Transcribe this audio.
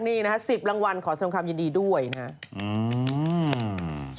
นี่นะฮะ๑๐รางวัลขอแสดงความยินดีด้วยนะครับ